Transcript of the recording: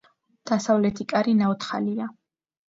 დასავლეთი კარი ნაოთხალია.